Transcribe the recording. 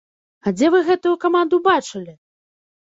А дзе вы гэтую каманду бачылі!